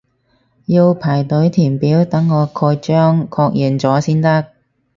要排隊填表等我蓋章確認咗先得